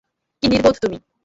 কী নির্বোধ তুমি?